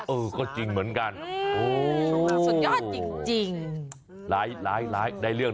เออก็จริงเหมือนกันโอ้โอ้โฮสุดยอดจริง